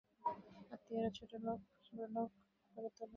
আত্মীয়তায় ছোটোকে বড়ো করে তোলে বটে, তেমনি বড়োকেও ছোটো করে আনে।